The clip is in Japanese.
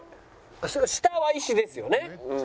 それ下は石ですよね？